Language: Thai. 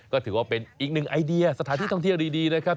ก็ถือว่าเป็นอีกหนึ่งไอเดียสถานที่ท่องเที่ยวดีนะครับ